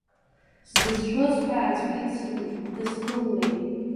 Сзыцәшәоз ҳәа аӡәгьы дысԥымлеит.